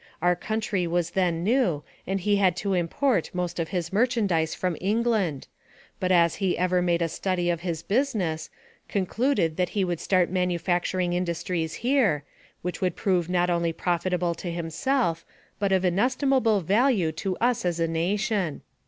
Our country was then new, and he had to import most of his merchandise from England, but as he ever made a study of his business, concluded that he would start manufacturing industries here, which would prove not only profitable to himself, but of inestimable value to us as a nation.